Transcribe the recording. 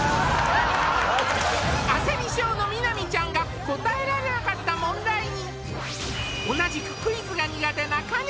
焦り症の美波ちゃんが答えられなかった問題に同じくクイズが苦手なかね